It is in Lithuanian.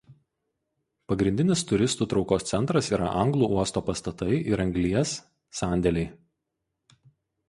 Pagrindinis turistų traukos centras yra anglų uosto pastatai ir anglies sandėliai.